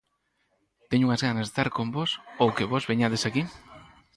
Teño unhas ganas de estar con vós ou que vós veñades aquí.